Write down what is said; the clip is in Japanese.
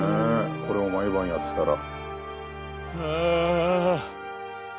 これを毎晩やってたら。